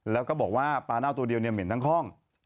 แล้วก็บอกว่าปลาเน่าตัวเดียวเนี่ยเหม็นทั้งห้อง